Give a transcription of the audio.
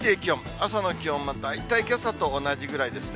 朝の気温、大体けさと同じぐらいですね。